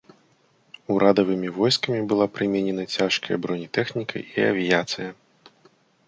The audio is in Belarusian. Урадавымі войскамі была прыменена цяжкая бронетэхніка і авіяцыя.